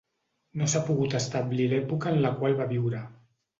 No s'ha pogut establir l'època en la qual va viure.